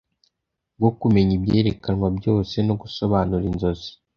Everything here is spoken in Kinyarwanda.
bwo kumenya ibyerekanwa byose no gusobanura inzozi